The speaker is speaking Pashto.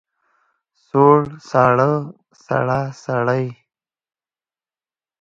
سوړ، ساړه، سړه، سړې.